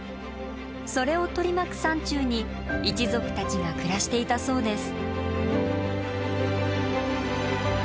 それを取り巻く山中に一族たちが暮らしていたそうです。